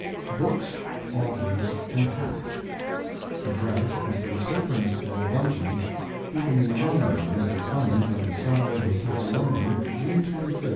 BOOKS, AUTHORS, AND HATS ADDRESS AT THE PILGRIMS' CLUB LUNCHEON, GIVEN IN HONOR OF Mr. CLEMENS AT THE SAVOY HOTEL, LONDON, JUNE 25, 1907.